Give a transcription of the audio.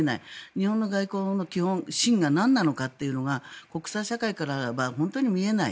日本の外交の基本芯がなんなのかというのが国際社会からは本当に見えない。